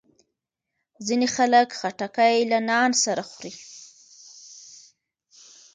ځینې خلک خټکی له نان سره خوري.